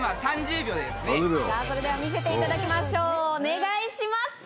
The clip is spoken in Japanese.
それでは見せていただきましょうお願いします。